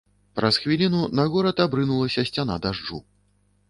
Праз хвіліну на горад абрынулася сцяна дажджу.